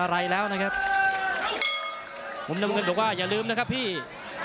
มันออกมาแล้วนะครับผมนำเงินบอกว่าอย่าลืมนะครับพีช